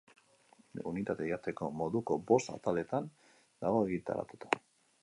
Unitate didaktiko moduko bost ataletan dago egituratuta.